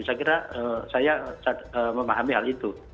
saya kira saya memahami hal itu